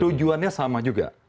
tujuannya sama juga